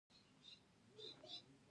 صلاحیت په دوه ډوله دی قانوني او اداري.